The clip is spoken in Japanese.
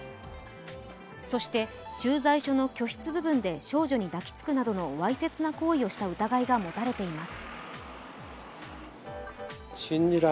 そして、駐在所の居室部分で少女に抱きつくなどのわいせつな行為をした疑いが持たれています。